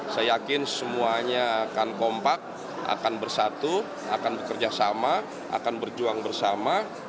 saya yakin semuanya akan kompak akan bersatu akan bekerja sama akan berjuang bersama